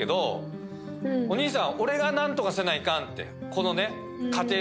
このね。